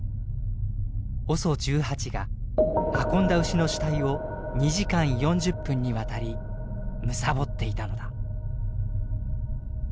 ＯＳＯ１８が運んだ牛の死体を２時間４０分にわたり貪っていたのだ。